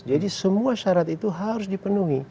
jadi semua syarat itu harus dipenuhi